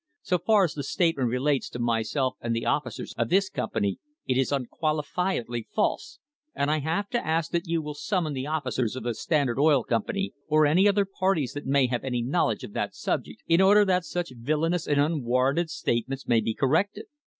So far as the statement relates to myself and the officers of this company it is unqualifiedly false, and I have to ask that you will summon the officers of the Standard Oil Company, or any other parties that may have any knowledge of that subject, in order that such villainous and unwarranted statements may be corrected."